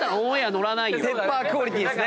ペッパークオリティーですね。